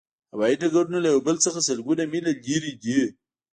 هوایی ډګرونه له یو بل څخه سلګونه میله لرې دي